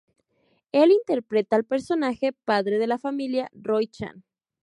Él interpreta al personaje padre de la familia; Roy Chan.